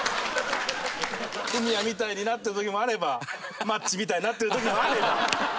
フミヤみたいになった時もあればマッチみたいになってる時もあれば。